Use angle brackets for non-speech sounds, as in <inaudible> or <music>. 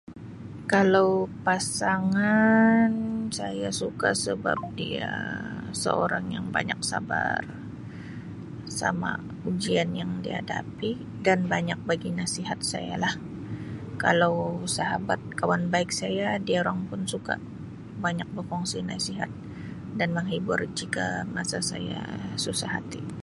Kalau pasangan saya suka sebab <noise> dia seorang yang banyak sabar sama ujian yang dia hadapi dan banyak bagi nasihat saya lah kalau sahabat kawan-kawan baik saya diorang pun suka banyak bekongsi nasihat dan menghibur juga masa susah hati.